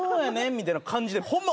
みたいな感じでホンマ